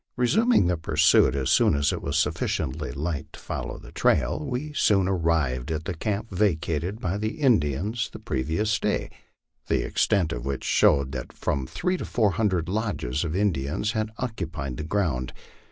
Resuming the pursuit as soon as it was sufficiently light to follow the trail, we soon arrived at the camp vacated by the Indians the previous day, the MY LIFE ON THE PLAINS. 237 extent of which showed that from three to four hundred lodges of Indians had occupied the ground.